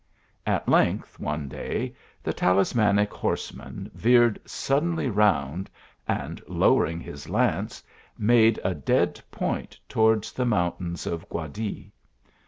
At length, one day, the talismanic horseman veered suddenly round, and, , lowering his lance, made a dead point towards the mountains of Guarlix.